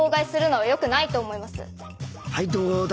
はいどうだ？